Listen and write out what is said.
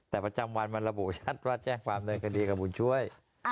แต่ประจำวันมันระบุชัดว่าแจ้งความเดินคดีกับบุญช่วย